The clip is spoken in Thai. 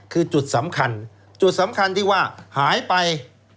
คือจุดสำคัญที่ว่าหายไป